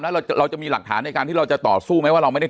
แล้วเราจะมีหลักฐานในการที่เราจะต่อสู้ไหมว่าเราไม่ได้